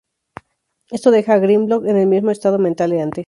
Esto deja a Grimlock en el mismo estado mental de antes.